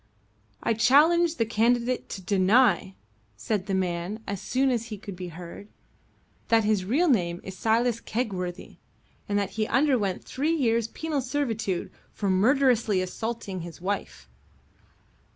"I challenge the candidate to deny," said the man, as soon as he could be heard, "that his real name is Silas Kegworthy, and that he underwent three years' penal servitude for murderously assaulting his wife."